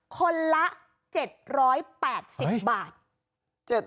คนละ๗๘๐บาท